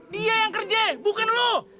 dia yang kerja bukan lo